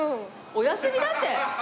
お休みだって！